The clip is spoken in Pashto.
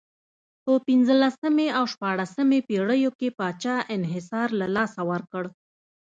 په پنځلسمې او شپاړسمې پېړیو کې پاچا انحصار له لاسه ورکړ.